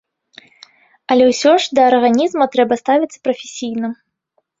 Але ўсё ж да арганізма трэба ставіцца прафесійна.